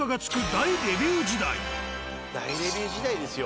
大レビュー時代ですよ